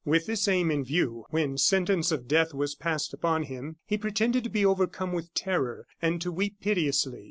With this aim in view, when sentence of death was passed upon him, he pretended to be overcome with terror, and to weep piteously.